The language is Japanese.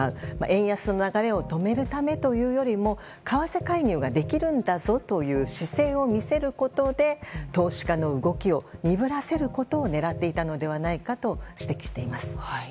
円安の流れを止めるためというよりも為替介入ができるんだぞという姿勢を見せることで投資家の動きを鈍らせることを狙っていたのではないかと指摘しています。